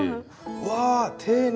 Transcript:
うわ丁寧に。